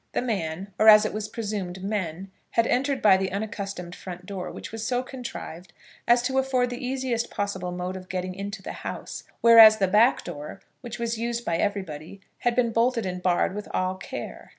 The man, or, as it was presumed, men, had entered by the unaccustomed front door, which was so contrived as to afford the easiest possible mode of getting into the house; whereas, the back door, which was used by everybody, had been bolted and barred with all care.